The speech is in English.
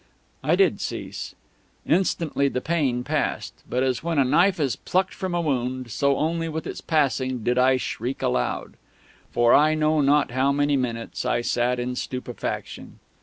I did cease. Instantly the pain passed. But as when a knife is plucked from a wound, so only with its passing did I shriek aloud.... For I know not how many minutes I sat in stupefaction.